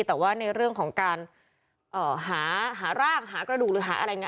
แต่ว่าในเรื่องของการหาร่างหากระดูกหรือหาอะไรอย่างนี้